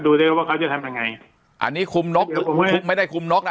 ว่าเขาจะทำยังไงอันนี้คุมนกไม่ได้คุมนกนะ